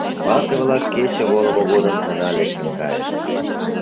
Вате-влак кече волымо годым гына лектын кайышт.